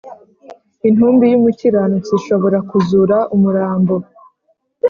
Intumbi y’umukiranutsi ishobora kuzura umurambo